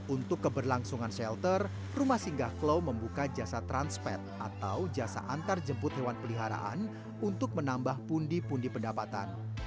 untuk keberlangsungan shelter rumah singgah klau membuka jasa transpet atau jasa antarjemput hewan peliharaan untuk menambah pundi pundi pendapatan